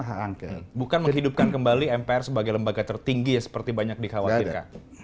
hak angket bukan menghidupkan kembali mpr sebagai lembaga tertinggi seperti banyak dikhawatirkan